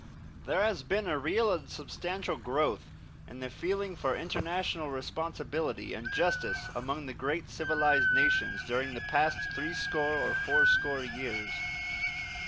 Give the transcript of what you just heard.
There has been a real and substantial growth in the feeling for international responsibility and justice among the great civilized nations during the past threescore or fourscore years.